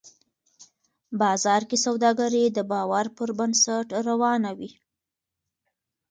بازار کې سوداګري د باور پر بنسټ روانه وي